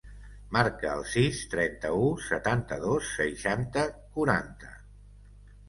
Marca el sis, trenta-u, setanta-dos, seixanta, quaranta.